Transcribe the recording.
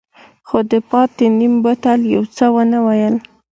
خو د پاتې نيم بوتل يې څه ونه ويل.